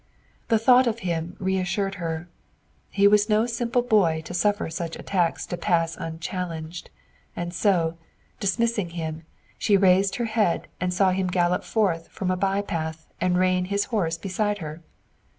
The thought of him reassured her; he was no simple boy to suffer such attacks to pass unchallenged; and so, dismissing him, she raised her head and saw him gallop forth from a by path and rein his horse beside her.